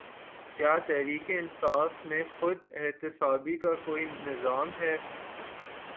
کیا تحریک انصاف میں خود احتسابی کا کوئی نظام ہے؟